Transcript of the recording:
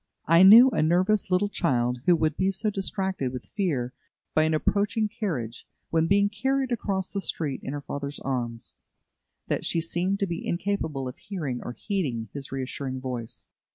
I knew a nervous little child who would be so distracted with fear by an approaching carriage, when being carried across the street in her father's arms, that she seemed to be incapable of hearing or heeding his reassuring voice.